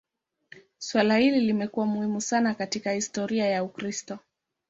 Suala hili limekuwa muhimu sana katika historia ya Ukristo.